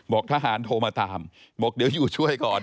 ทหารโทรมาตามบอกเดี๋ยวอยู่ช่วยก่อน